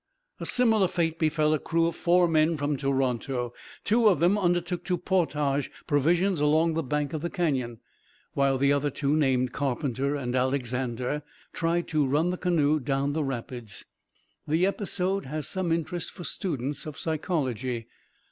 A similar fate befell a crew of four men from Toronto. Two of them undertook to portage provisions along the bank of the canyon, while the other two, named Carpenter and Alexander, tried to run the canoe down the rapids. The episode has some interest for students of psychology.